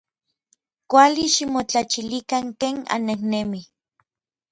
Kuali ximotlachilikan ken annejnemij.